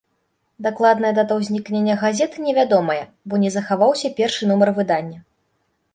Дакладная дата ўзнікнення газеты невядомая, бо не захаваўся першы нумар выдання.